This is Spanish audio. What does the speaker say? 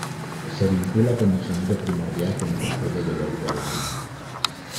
Se vincula con el sonido primordial que no procede de golpe alguno.